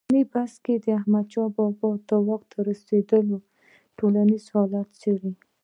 اوسني بحث کې د احمدشاه بابا واک ته تر رسېدو ټولنیز حالت څېړو.